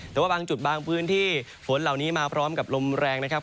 แต่ว่าบางจุดบางพื้นที่ฝนเหล่านี้มาพร้อมกับลมแรงนะครับ